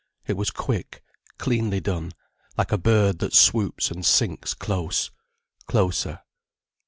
It was quick, cleanly done, like a bird that swoops and sinks close, closer.